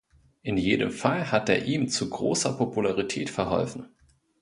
In jedem Fall hat er ihm zu großer Popularität verholfen.